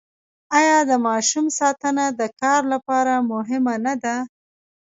آیا د ماشوم ساتنه د کار لپاره مهمه نه ده؟